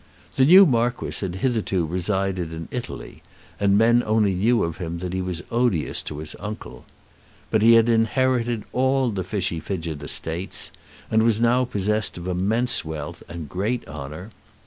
The new Marquis had hitherto resided in Italy, and men only knew of him that he was odious to his uncle. But he had inherited all the Fichy Fidgett estates, and was now possessed of immense wealth and great honour.